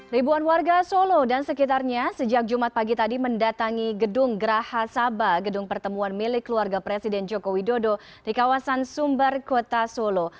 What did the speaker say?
ribuan warga solo dan sekitarnya sejak jumat pagi tadi mendatangi gedung geraha saba gedung pertemuan milik keluarga presiden joko widodo di kawasan sumber kota solo